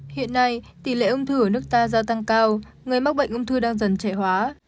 hiện nay tỷ lệ ung thư ở nước ta gia tăng cao người mắc bệnh ung thư đang dần trẻ hóa